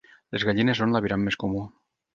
Les gallines són l'aviram més comú.